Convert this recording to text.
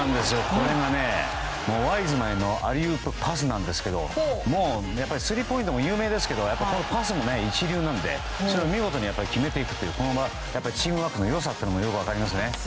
これがアリウープパスなんですがやっぱりスリーポイントも有名ですけどパスも一流なのでそれを見事に決めていくというチームワークの良さもよく分かりますね。